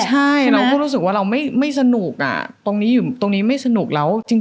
ใช่เราคงรู้สึกว่าเราไม่สนุกอะตรงนี้ไม่สนุกแล้ว